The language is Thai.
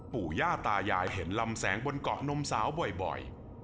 ปู่ย่าตายายเห็นลำแสงบนเกาะนมสาวบ่อย